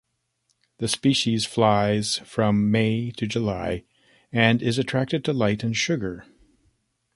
The species flies from May to July and is attracted to light and sugar.